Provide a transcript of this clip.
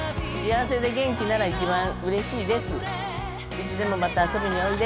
いつでもまた遊びにおいで。